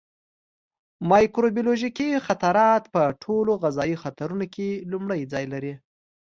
مایکروبیولوژیکي خطرات په ټولو غذایي خطرونو کې لومړی ځای لري.